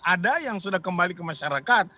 ada yang sudah kembali ke masyarakat